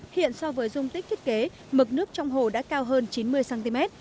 hiện so với dung tích thiết kế mực nước trong hồ đã cao hơn chín mươi cm